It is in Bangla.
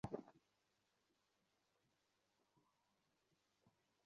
কিন্তু চার বছরের অয়ন লিখে ফেলেছে পুরো একটি বই।